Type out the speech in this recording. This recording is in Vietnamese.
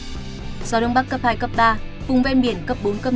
gió đông bắc cấp hai cấp ba vùng ven biển cấp bốn cấp năm